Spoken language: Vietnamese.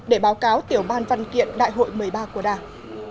để báo cáo tiểu ban văn kiện đại hội một mươi ba của đảng